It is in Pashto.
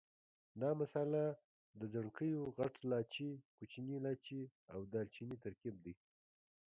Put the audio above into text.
دا مساله د ځڼکیو، غټ لاچي، کوچني لاچي او دال چیني ترکیب دی.